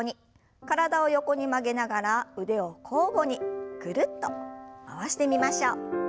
体を横に曲げながら腕を交互にぐるっと回してみましょう。